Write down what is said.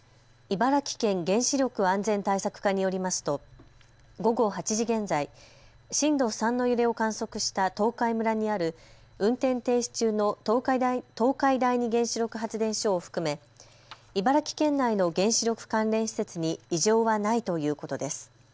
茨城県原子力安全対策課によりますと午後８時現在、震度３の揺れを観測した東海村にある運転停止中の東海第二原子力発電所を含め茨城県内の原子力関連施設に異常はないということです。